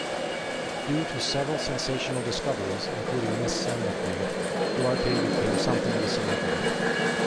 Due to several sensational discoveries including "Miss Sambaqui", Duarte became something of a celebrity.